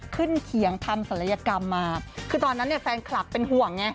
ขึ้นเคียงทำศัลยกรรมมาคือตอนนั้นแฟนคลักษณ์เป็นห่วงไง